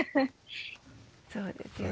そうですよね